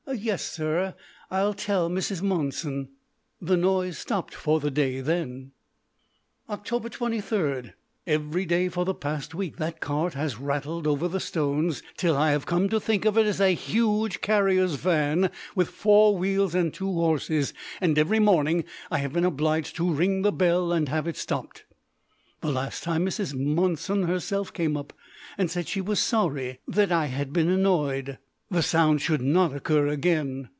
"Yes, sir; I'll tell Mrs. Monson." The noise stopped for the day then. Oct. 23. Every day for the past week that cart has rattled over the stones, till I have come to think of it as a huge carrier's van with four wheels and two horses; and every morning I have been obliged to ring the bell and have it stopped. The last time Mrs. Monson herself came up, and said she was sorry I had been annoyed; the sounds should not occur again.